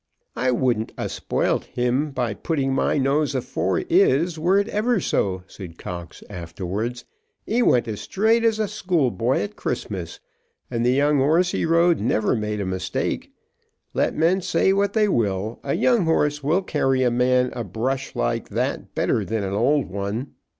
"I wouldn't 'a spoilt him by putting my nose afore 'is, were it ever so," said Cox afterwards. "He went as straight as a schoolboy at Christmas, and the young horse he rode never made a mistake. Let men say what they will, a young horse will carry a man a brush like that better than an old one.